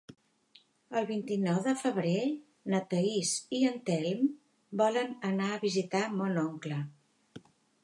El vint-i-nou de febrer na Thaís i en Telm volen anar a visitar mon oncle.